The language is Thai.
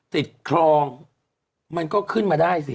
ติดคลองมันก็ขึ้นมาได้สิ